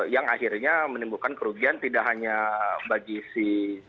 yang akhirnya menimbulkan kerugian tidak hanya bagi si